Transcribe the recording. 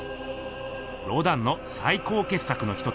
ロダンのさい高けっ作の一つ